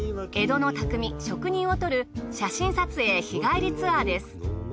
江戸の匠・職人を撮る写真撮影日帰りツアーです。